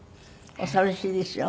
お寂しいでしょ？